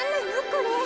これ。